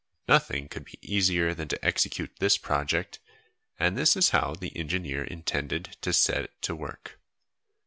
Nothing could be easier than to execute this project, and this is how the engineer intended to set to work.